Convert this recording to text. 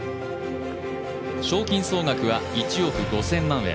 賞金総額は１億５０００万円。